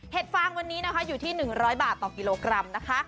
ฟางวันนี้นะคะอยู่ที่๑๐๐บาทต่อกิโลกรัมนะคะ